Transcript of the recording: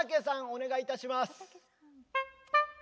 お願いいたします。